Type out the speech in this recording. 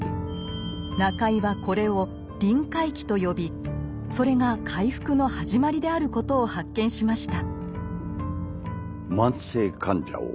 中井はこれを「臨界期」と呼びそれが回復の始まりであることを発見しました。